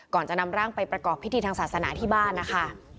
ก่อนจะนำร่างไปประกอบพิธีทางศาสนาที่บ้านนะคะ